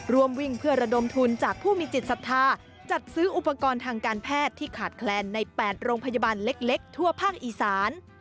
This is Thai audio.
ร่วมวิ่งเพื่อระดมทุนจากผู้มีจิตศรัทธาจัดซื้ออุปกรณ์ทางการแพทย์ที่ขาดแคลนใน๘โรงพยาบาลเล็กทั่วภาคอีสาน